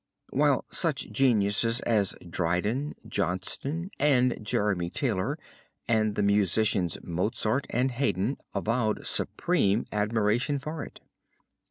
While such geniuses as Dryden, Johnson and Jeremy Taylor, and the musicians Mozart and Hayden, avowed supreme admiration for it.